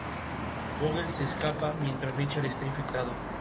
La "Mercurio" era una excelente nave, todo lo contrario del "Nancy".